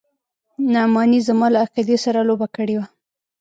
نعماني زما له عقيدې سره لوبه کړې وه.